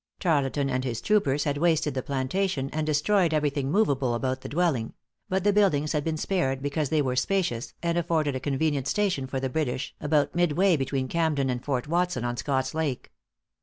Tarleton and his troopers had wasted the plantation, and destroyed everything movable about the dwelling; but the buildings had been spared, because they were spacious, and afforded a convenient station for the British, about midway between Camden and Fort Watson on Scott's Lake.